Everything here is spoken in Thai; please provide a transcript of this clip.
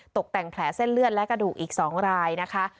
ตกแต่งแผลเส้นเลือดและกระดูกอีก๒รายนะคะ